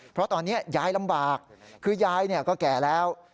เพราะตอนนี้ยายลำบากคือยายก็แก่แล้ว